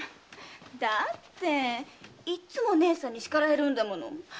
だっていっつも義姉さんに叱られるんだもの。